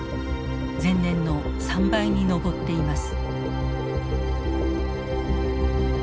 前年の３倍に上っています。